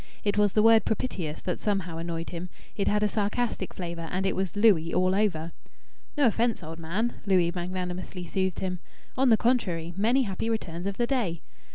It was the word "propitious" that somehow annoyed him it had a sarcastic flavour, and it was "Louis all over." "No offence, old man!" Louis magnanimously soothed him. "On the contrary, many happy returns of the day."